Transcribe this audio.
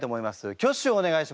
挙手をお願いします。